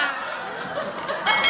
gua nggak bisa ditelepon mati